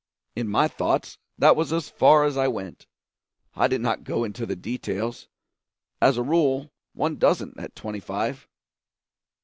In my thoughts that was as far as I went; I did not go into the details; as a rule one doesn't at twenty five.